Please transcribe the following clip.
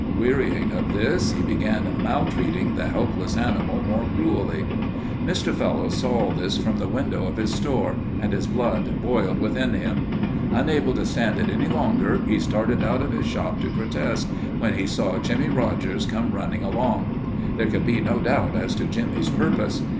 Wearying of this, he began maltreating the helpless animal more cruelly. Mr. Fellowes saw all this from the window of his store, and his blood boiled within him. Unable to stand it any longer, he started out of his shop to protest, when he saw Jimmie Rogers come running along. There could be no doubt as to Jimmie's purpose.